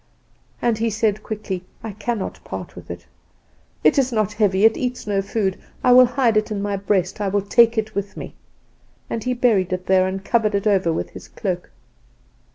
"And he said quickly: 'I cannot part with it. It is not heavy; it eats no food. I will hide it in my breast; I will take it with me.' And he buried it there and covered it over with his cloak.